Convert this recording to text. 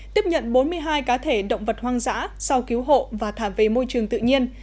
tiếp nhận bốn mươi hai cá thể động vật hoang dã sau cứu hộ và thả về môi trường tự nhiên